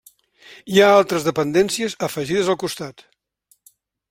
Hi ha altres dependències afegides al costat.